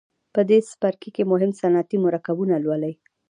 په دې څپرکي کې مهم صنعتي مرکبونه لولئ.